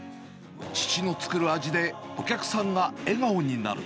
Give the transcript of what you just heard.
父の作る味で、お客さんが笑顔になる。